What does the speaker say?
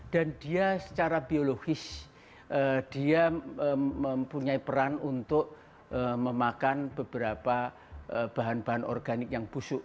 dan dia secara biologis dia mempunyai peran untuk memakan beberapa bahan bahan organik yang busuk